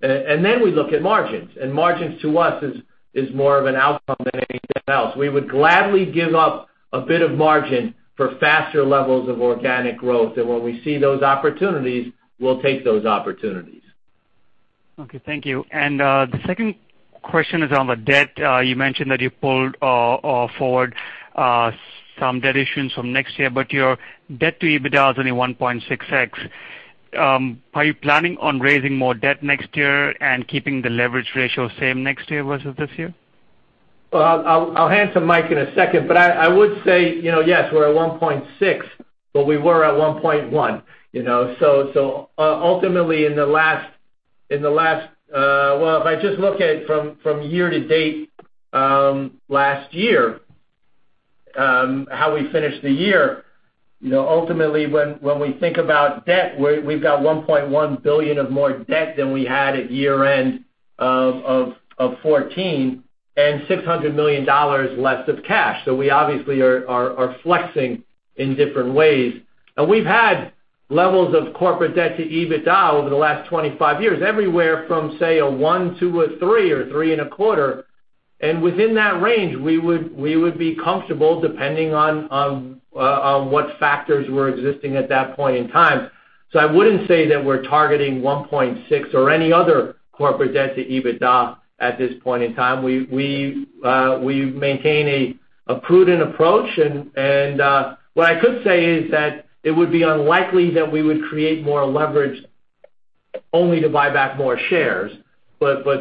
Then we look at margins, and margins to us is more of an outcome than anything else. We would gladly give up a bit of margin for faster levels of organic growth. When we see those opportunities, we'll take those opportunities. Okay. Thank you. The second question is on the debt. You mentioned that you pulled forward some debt issuance from next year, but your debt to EBITDA is only 1.6x. Are you planning on raising more debt next year and keeping the leverage ratio same next year versus this year? I'll hand to Mike in a second, but I would say, yes, we're at 1.6, but we were at 1.1. Ultimately, well, if I just look at it from year-to-date last year, how we finished the year, ultimately when we think about debt, we've got $1.1 billion of more debt than we had at year-end of 2014, and $600 million less of cash. We obviously are flexing in different ways. We've had levels of corporate debt to EBITDA over the last 25 years, everywhere from, say, a one to a three or three and a quarter. Within that range, we would be comfortable depending on what factors were existing at that point in time. I wouldn't say that we're targeting 1.6 or any other corporate debt to EBITDA at this point in time. We've maintained a prudent approach. What I could say is that it would be unlikely that we would create more leverage only to buy back more shares.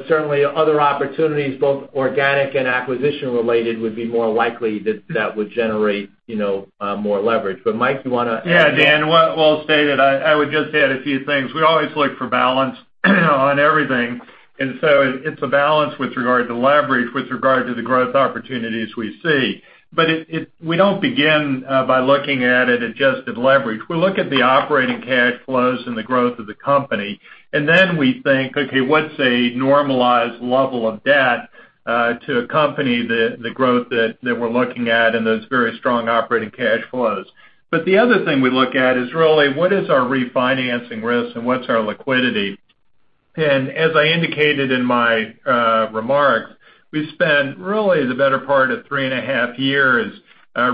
Certainly other opportunities, both organic and acquisition related, would be more likely that that would generate more leverage. Mike, you want to add? Yeah, Dan, well stated. I would just add a few things. We always look for balance on everything, and so it's a balance with regard to leverage, with regard to the growth opportunities we see. We don't begin by looking at it adjusted leverage. We look at the operating cash flows and the growth of the company, and then we think, okay, what's a normalized level of debt to accompany the growth that we're looking at in those very strong operating cash flows? The other thing we look at is really what is our refinancing risk and what's our liquidity. As I indicated in my remarks, we spent really the better part of three and a half years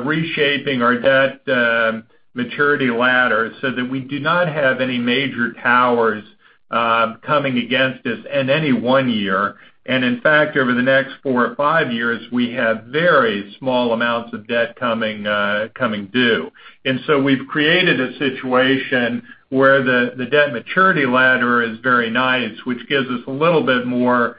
reshaping our debt maturity ladder so that we do not have any major towers coming against us in any one year. In fact, over the next four or five years, we have very small amounts of debt coming due. We've created a situation where the debt maturity ladder is very nice, which gives us a little bit more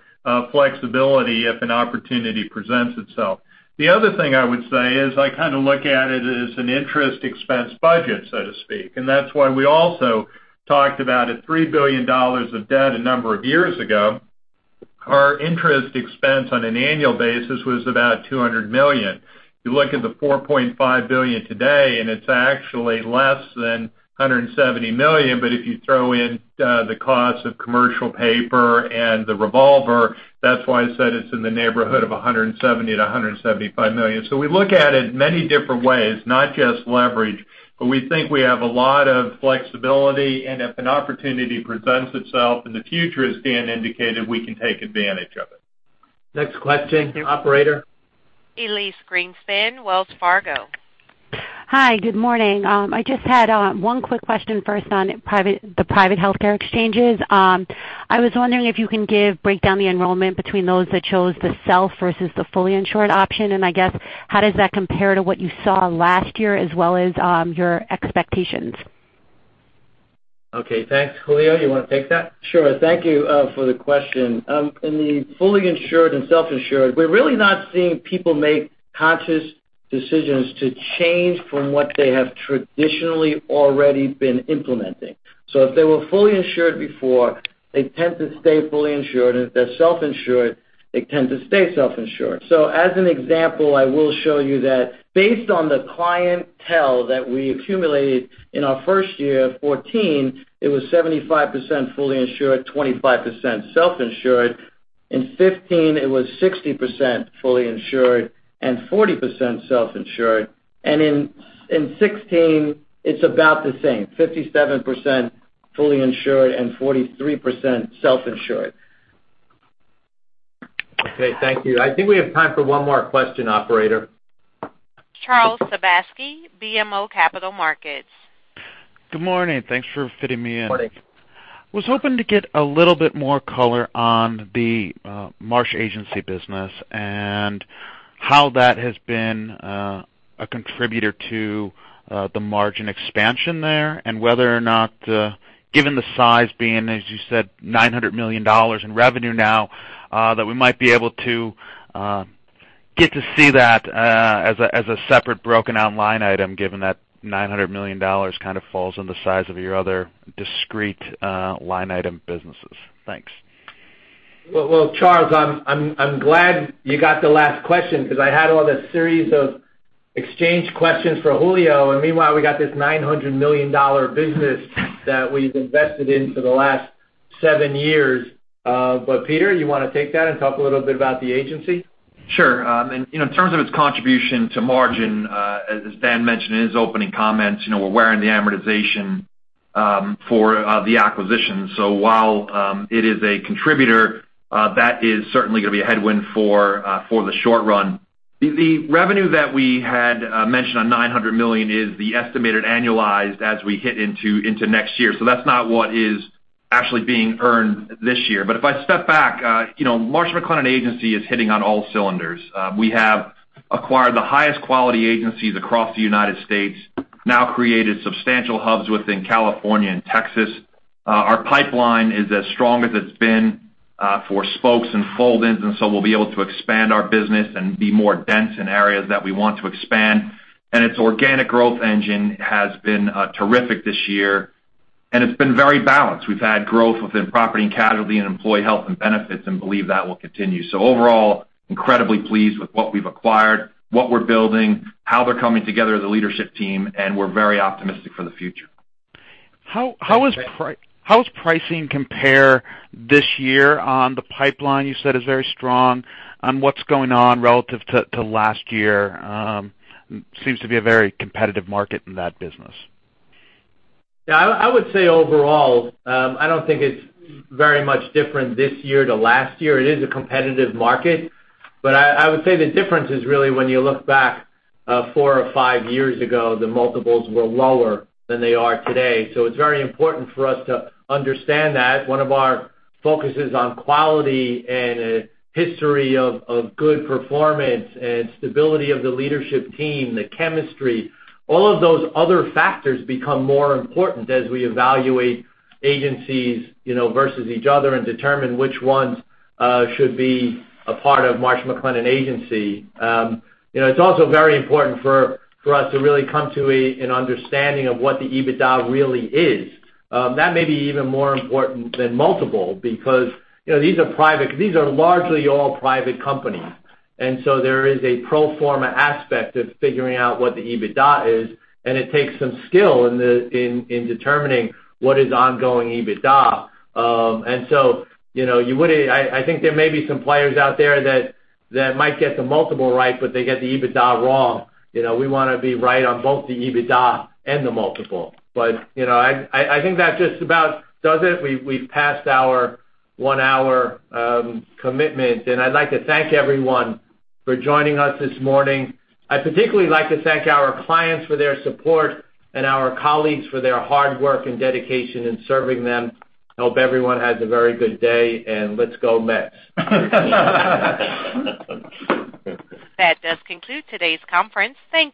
flexibility if an opportunity presents itself. The other thing I would say is I kind of look at it as an interest expense budget, so to speak. That's why we also talked about at $3 billion of debt a number of years ago, our interest expense on an annual basis was about $200 million. You look at the $4.5 billion today, and it's actually less than $170 million. If you throw in the cost of commercial paper and the revolver, that's why I said it's in the neighborhood of $170 million-$175 million. We look at it many different ways, not just leverage, but we think we have a lot of flexibility. If an opportunity presents itself in the future, as Dan indicated, we can take advantage of it. Next question, operator. Elyse Greenspan, Wells Fargo. Hi, good morning. I just had one quick question first on the private healthcare exchanges. I was wondering if you can break down the enrollment between those that chose the self versus the fully insured option. I guess, how does that compare to what you saw last year as well as your expectations? Okay, thanks. Julio, you want to take that? Sure. Thank you for the question. In the fully insured and self-insured, we're really not seeing people make conscious decisions to change from what they have traditionally already been implementing. If they were fully insured before, they tend to stay fully insured. If they're self-insured, they tend to stay self-insured. As an example, I will show you that based on the clientele that we accumulated in our first year, 2014, it was 75% fully insured, 25% self-insured. In 2015, it was 60% fully insured and 40% self-insured. In 2016, it's about the same, 57% fully insured and 43% self-insured. Okay, thank you. I think we have time for one more question, operator. Charles Sebaski, BMO Capital Markets. Good morning. Thanks for fitting me in. Morning. Was hoping to get a little bit more color on the Marsh agency business and how that has been a contributor to the margin expansion there and whether or not, given the size being, as you said, $900 million in revenue now, that we might be able to get to see that as a separate broken-out line item, given that $900 million kind of falls in the size of your other discrete line item businesses. Thanks. Well, Charles, I'm glad you got the last question because I had all this series of exchange questions for Julio, and meanwhile, we got this $900 million business that we've invested in for the last seven years. Peter, you want to take that and talk a little bit about the agency? Sure. In terms of its contribution to margin, as Dan mentioned in his opening comments, we're wearing the amortization for the acquisition. While it is a contributor, that is certainly going to be a headwind for the short run. The revenue that we had mentioned on $900 million is the estimated annualized as we hit into next year. That's not what is actually being earned this year. If I step back, Marsh & McLennan Agency is hitting on all cylinders. We have acquired the highest quality agencies across the U.S., now created substantial hubs within California and Texas. Our pipeline is as strong as it's been for spokes and fold-ins, we'll be able to expand our business and be more dense in areas that we want to expand. Its organic growth engine has been terrific this year, and it's been very balanced. We've had growth within property and casualty and employee health and benefits and believe that will continue. Overall, incredibly pleased with what we've acquired, what we're building, how they're coming together as a leadership team, and we're very optimistic for the future. How does pricing compare this year on the pipeline you said is very strong on what's going on relative to last year? Seems to be a very competitive market in that business. Yeah, I would say overall, I don't think it's very much different this year to last year. It is a competitive market, I would say the difference is really when you look back four or five years ago, the multiples were lower than they are today. It's very important for us to understand that. One of our focus is on quality and a history of good performance and stability of the leadership team, the chemistry. All of those other factors become more important as we evaluate agencies versus each other and determine which ones should be a part of Marsh & McLennan Agency. It's also very important for us to really come to an understanding of what the EBITDA really is. That may be even more important than multiple because these are largely all private companies. There is a pro forma aspect of figuring out what the EBITDA is, and it takes some skill in determining what is ongoing EBITDA. I think there may be some players out there that might get the multiple right, but they get the EBITDA wrong. We want to be right on both the EBITDA and the multiple. I think that just about does it. We've passed our one-hour commitment. I'd like to thank everyone for joining us this morning. I'd particularly like to thank our clients for their support and our colleagues for their hard work and dedication in serving them. Hope everyone has a very good day, and let's go Mets. That does conclude today's conference. Thank you.